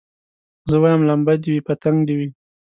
زه وايم لمبه دي وي پتنګ دي وي